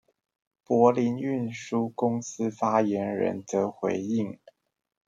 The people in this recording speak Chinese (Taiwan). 柏林運輸公司發言人則回應：